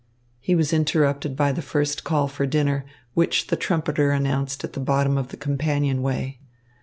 He was interrupted by the first call for dinner, which the trumpeter announced at the bottom of the companionway.